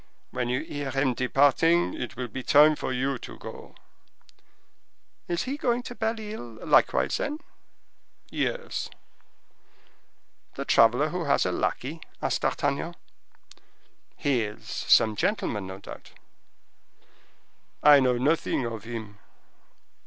"When you hear him departing, it will be time for you to go." "Is he going to Belle Isle, likewise, then?" "Yes." "The traveler who has a lackey?" asked D'Artagnan. "He is some gentleman, no doubt?" "I know nothing of him."